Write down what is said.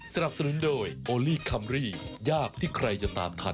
สนับสนุนโดยโอลี่คัมรี่ยากที่ใครจะตามทัน